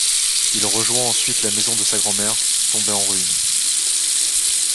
Il rejoint ensuite la maison de sa grand-mère, tombée en ruines.